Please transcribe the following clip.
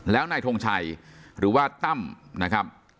แล้วนายทงชัยหรือว่าตั้มนะครับ